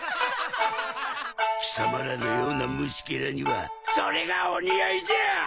貴様らのような虫けらにはそれがお似合いじゃあ！